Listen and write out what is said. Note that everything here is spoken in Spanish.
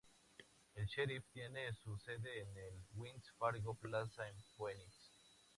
El sheriff tiene su sede en el Wells Fargo Plaza en Phoenix.